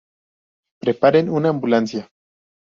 Preparen una ambulancia.